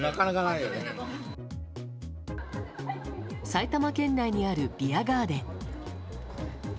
埼玉県内にあるビアガーデン。